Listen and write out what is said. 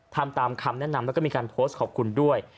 ทำตามคำแนะนำแล้วก็มีการโพสต์ขอบคุณด้วย